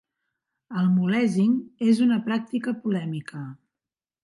El "mulesing" és una pràctica polèmica.